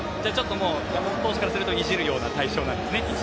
山本投手からするといじるような対象なんですね。